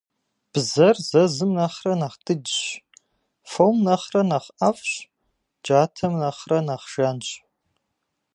Бзэр зэзым нэхърэ нэхъ дыджщ, фом нэхърэ нэхъ IэфIщ, джатэм нэхърэ нэхъ жанщ.